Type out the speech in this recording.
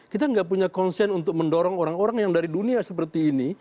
kita nggak punya konsen untuk mendorong orang orang yang dari dunia seperti ini